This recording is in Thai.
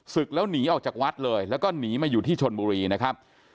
ศึกแล้วหนีออกจากวัดเลยแล้วก็หนีมาอยู่ที่ชนบุรีนะครับ